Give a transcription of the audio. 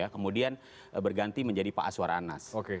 kemudian berganti menjadi pak aswar anas